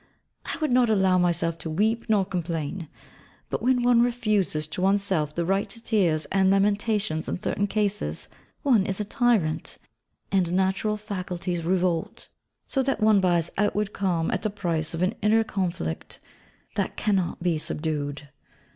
I would not allow myself to weep nor complain. But when one refuses to oneself the right to tears and lamentations in certain cases, one is a tyrant; and natural faculties revolt; so that one buys outward calm at the price of an inner conflict that cannot be subdued.